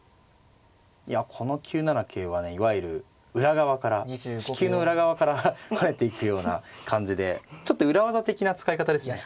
いやこの９七桂はねいわゆる裏側から地球の裏側から跳ねていくような感じでちょっと裏技的な使い方ですね。